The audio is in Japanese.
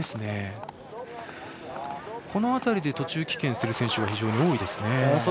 この辺りで途中棄権する選手が多いですね。